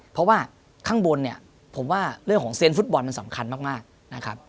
เพราะว่าข้างบนเนี่ยผมว่าเรื่องของเซียนฟุตบอลมันสำคัญมากนะครับ